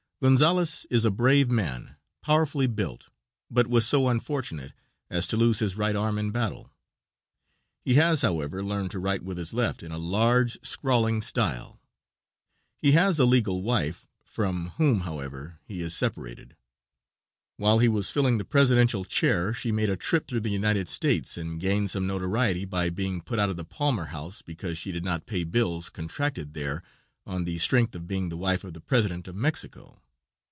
Gonzales is a brave man, powerfully built, but was so unfortunate as to lose his right arm in battle. He has, however, learned to write with his left in a large, scrawling style. He has a legal wife, from whom, however, he is separated. While he was filling the presidential chair she made a trip through the United States, and gained some notoriety by being put out of the Palmer House because she did not pay bills contracted there on the strength of being the wife of the President of Mexico.